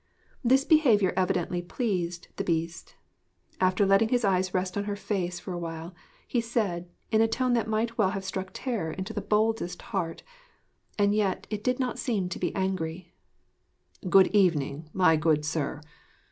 This behaviour evidently pleased the Beast. After letting his eyes rest on her face for a while, he said, in a tone that might well have struck terror into the boldest heart (and yet it did not seem to be angry): 'Good evening, my good sir!